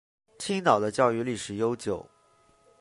青岛的教育历史悠久。